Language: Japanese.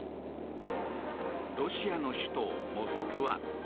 ロシアの首都モスクワ。